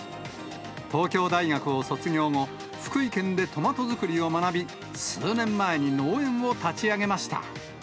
東京大学を卒業後、福井県でトマト作りを学び、数年前に農園を立ち上げました。